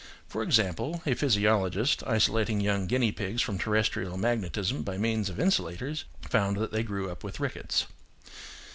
(For example, a physiologist, isolating young guinea pigs from terrestrial magnetism by means of insulators, found that they grew up with rickets.)